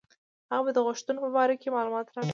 هغه به د غوښتنو په باره کې معلومات راکړي.